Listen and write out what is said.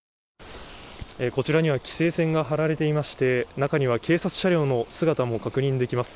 こちらには規制線が張られていまして、中には警察車両の姿も確認できます。